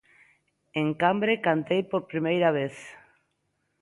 En Cambre cantei por primeira vez.